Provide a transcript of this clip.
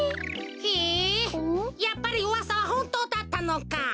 へえやっぱりうわさはホントだったのか。